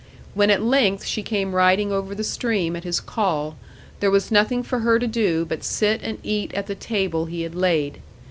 When at length she came riding over the stream at his call, there was nothing for her to do but sit and eat at the table he had laid.